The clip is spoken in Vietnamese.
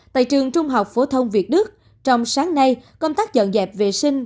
tại trường trung học phổ thông việt đức trong sáng nay công tác dọn dẹp vệ sinh